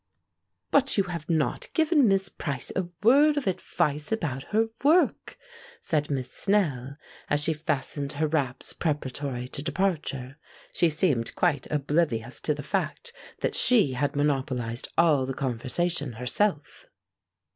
"But you have not given Miss Price a word of advice about her work," said Miss Snell, as she fastened her wraps preparatory to departure. She seemed quite oblivious to the fact that she had monopolized all the conversation herself.